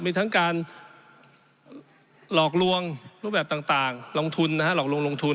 มีทั้งการหลอกลวงรูปแบบต่างลงทุนนะฮะหลอกลวงลงทุน